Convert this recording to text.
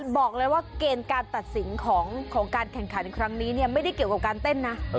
บอกเลยว่าเกณฑ์การตัดสินของการแข่งขันครั้งนี้เนี่ยไม่ได้เกี่ยวกับการเต้นนะ